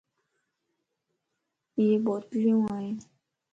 ائي بوتليون ائين.